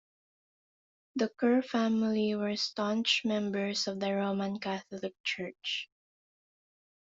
The Kerr family were staunch members of the Roman Catholic Church.